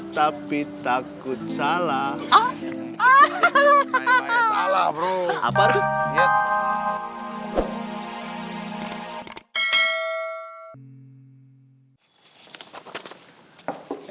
tapi takut salah ah hahaha salah bro apa tuh